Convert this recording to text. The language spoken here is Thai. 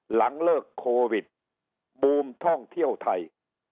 หลังเลิกโควิดบูมท่องเที่ยวไทย